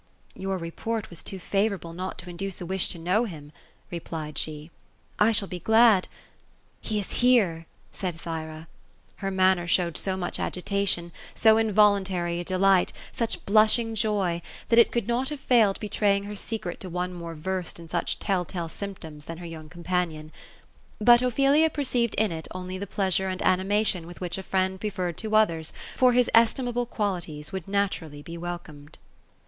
" Your report was too favourable not to induce a wish to know him ;" replied she ;" I shall be glad ^"^ He is here I" said Thyra. Her manner showed so much agitation, so involuntary a delight, such blushing joy, that it could not have failed betraying her secret to one more versed in such tell tale symptoms than her young companion. But Ophelia perceived in it only the pleasure and animation with which a friend preferred to others for his estimable qualities, would naturally be welcomed.